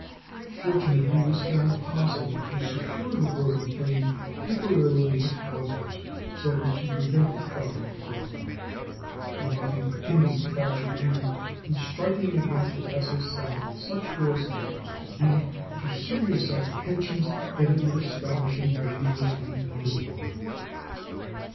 Fortunately it was found possible to secure the broken frame temporarily with hawsers so as to prevent it dropping farther, though nothing could hinder the fractured end from striking against the vessel's side with such force as to lead to serious apprehensions that it would establish a dangerous leak under water.